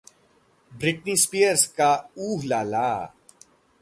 Britney Spears का ooh la ला